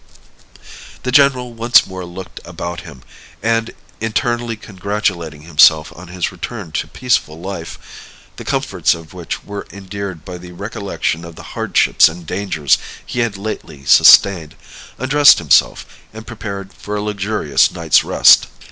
The general once more looked about him, and internally congratulating himself on his return to peaceful life, the comforts of which were endeared by the recollection of the hardships and dangers he had lately sustained, undressed himself, and prepared for a luxurious night's rest.